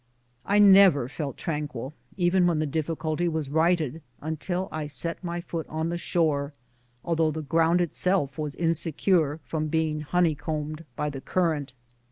I never felt tranquil, even when the difficulty was righted, until I set my foot on the shore, though the ground itself was insecure from being honeycombed by the current.